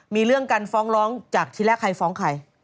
มีเรื่องการฟ้องร้องจากที่แรกใครฟ้องใคร